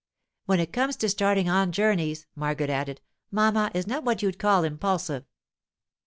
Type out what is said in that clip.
When it comes to starting on Journeys,' Margaret added, 'mamma is not what you'd call impulsive.